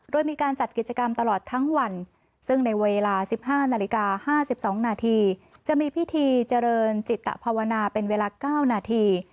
โดยมีการจัดกิจกรรมตลอดทั้งวันซึ่งในเวลา๑๕นาฬิกา๕๒นาทีจะมีพิธีเจริญจิตภาวนาเป็นเวลา๙นาที